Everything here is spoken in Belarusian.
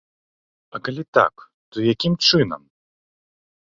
І калі так, то якім чынам?